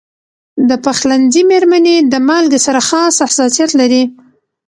د پخلنځي میرمنې د مالګې سره خاص حساسیت لري.